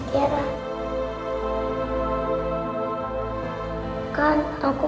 kan aku pengen banget jadi temannya tiara bu